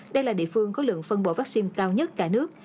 đây là địa phương có lượng phân bổ vaccine cao nhất cả nước